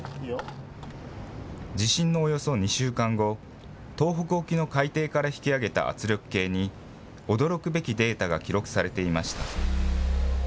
地震のおよそ２週間後、東北沖の海底から引き上げた圧力計に、驚くべきデータが記録されていました。